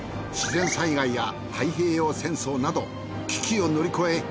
自然災害や太平洋戦争など危機を乗り越え